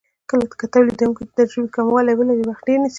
که تولیدونکی د تجربې کموالی ولري وخت ډیر نیسي.